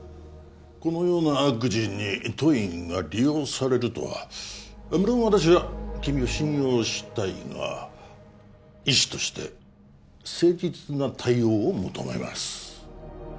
このような悪事に当院が利用されるとはむろん私は君を信用したいが医師として誠実な対応を求めます